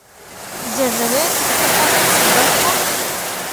زېږوې که د دې خلکو په څېر بل خر